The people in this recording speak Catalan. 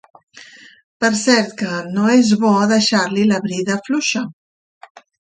Per cert que... no és bo deixar-li la brida fluixa.